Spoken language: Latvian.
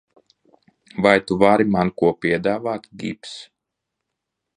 Vai tu vari man ko piedāvāt, Gibss?